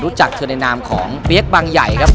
เธอในนามของเปี๊ยกบางใหญ่ครับ